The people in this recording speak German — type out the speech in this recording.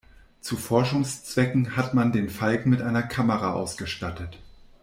Zu Forschungszwecken hat man den Falken mit einer Kamera ausgestattet.